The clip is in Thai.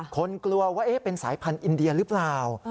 กลัวว่าเป็นสายพันธุ์อินเดียหรือเปล่า